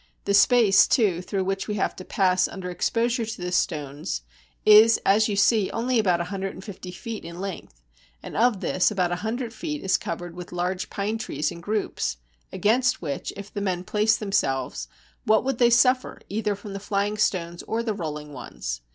The space, too, through which we have to pass under exposure to the stones, is, as you see, only about a hundred and fifty feet in length; and of this about a hundred feet is covered with large pine trees in groups, against which if the men place themselves, what would they s\iffer either from the flying stones or the rolling ones?